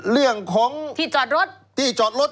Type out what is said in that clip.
เรื่องของที่จอดรถ